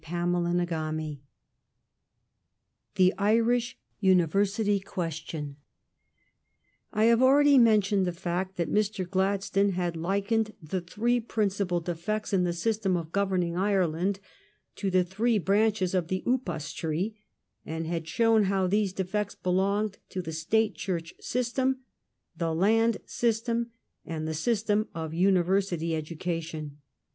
CHAPTER XXIII THE IRISH UNIVERSITY QUESTION I HAVE already mentioned the fact that Mr. Glad stone had likened the three principal defects in the system of governing Ireland to the three branches of the upas tree, and had shown how these defects belonged to the State Church system, the land system, and the system of university education.